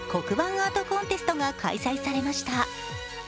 アートコンテストが開催されました。